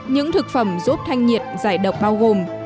những thực phẩm giúp thanh nhiệt giải độc bao gồm